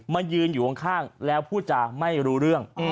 ยืนอยู่ข้างแล้วพูดจาไม่รู้เรื่อง